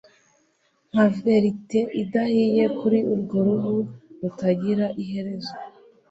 Nka veleti idahiye kuri urwo ruhu rutagira iherezo